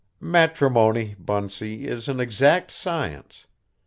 Matrimony, Bunsey, is an exact science.